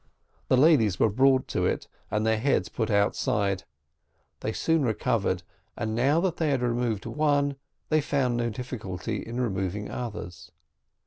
The ladies were brought to it, and their heads put outside; they soon recovered; and now that they had removed one, they found no difficulty in removing others.